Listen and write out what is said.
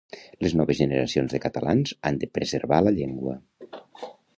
Les noves generacions de catalans han de preservar la llengua.